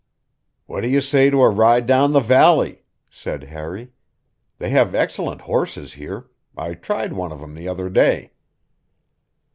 "What do you say to a ride down the valley?" said Harry. "They have excellent horses here; I tried one of 'em the other day."